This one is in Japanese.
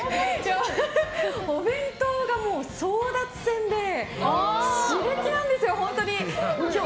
お弁当が争奪戦で熾烈なんですよ、本当に。